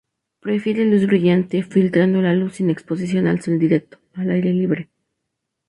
Prefiere luz brillante, filtrando la luz, sin exposición al sol directo, al aire libre.